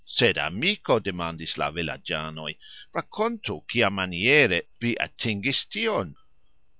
"Sed, amiko," demandis la vilagxanoj, "rakontu kiamaniere vi atingis tion."